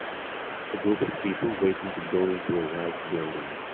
A group of people waiting to go into a white building.